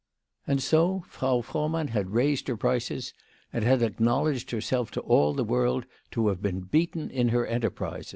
AND so Frau Frohmann had raised her prices, and had acknowledged herself to all the world to have been beaten in her enterprise.